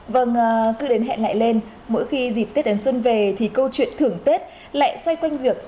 vâng thưa đến hẹn lại lên mỗi khi dịp tết đến xuân về thì câu chuyện thưởng tết lại xoay quanh việc